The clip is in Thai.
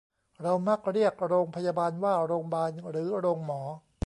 เรามักเรียกโรงพยาบาลว่าโรงบาล หรือโรงหมอ